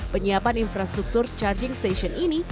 penyiapan infrastruktur charging station ini